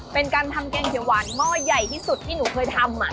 เป็นการทำแกงเขียวหวานหม้อใหญ่ที่สุดที่หนูเคยทำ